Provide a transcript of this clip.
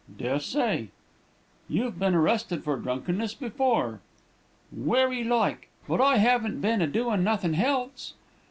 "'Des'say.' "'You've been arrested for drunkenness before.' "'Werry like. But I 'aven't been a doin' nuthin' helse.'